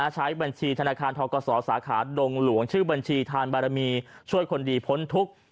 ใช้บัญชีธนาคารทกศสาขาดงหลวงชื่อบัญชีทานบารมีช่วยคนดีพ้นทุกข์